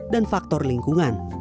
dan faktor lingkungan